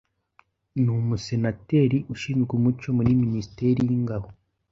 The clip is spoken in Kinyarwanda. Nu musenateri ushinzwe umuco muri minisiteri y'ingabo –